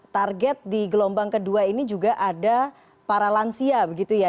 target di gelombang kedua ini juga ada para lansia